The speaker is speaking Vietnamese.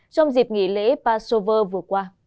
trong dịp nghỉ lễ passover vừa qua